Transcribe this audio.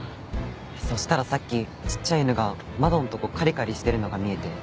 そしたらさっきちっちゃい犬が窓のとこカリカリしてるのが見えて。